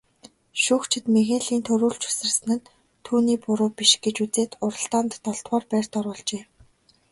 Шүүгчид Мигелийн түрүүлж үсэрсэн нь түүний буруу биш гэж үзээд уралдаанд долдугаарт байрт оруулжээ.